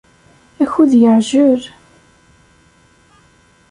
Akud yeεjel